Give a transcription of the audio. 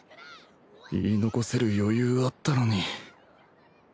言い残せる余裕あったのに